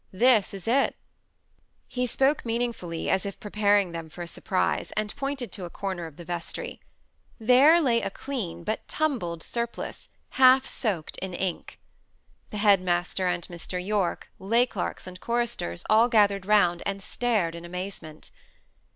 "This is it." He spoke meaningly, as if preparing them for a surprise, and pointed to a corner of the vestry. There lay a clean, but tumbled surplice, half soaked in ink. The head master and Mr. Yorke, lay clerks and choristers, all gathered round, and stared in amazement.